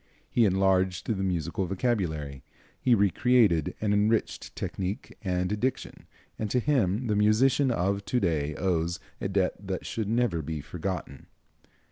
He enlarged the musical vocabulary, he re created and enriched technique and diction, and to him the musician of to day owes a debt that should never be forgotten.